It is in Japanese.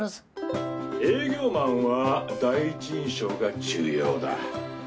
営業マンは第一印象が重要だ。